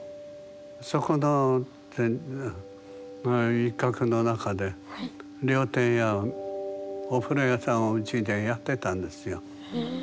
そこの一画の中で料亭やお風呂屋さんをうちでやってたんですよ。